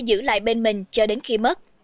giữ lại bên mình cho đến khi mất